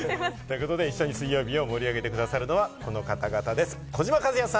一緒に水曜日を盛り上げてくださるのはこの方々です。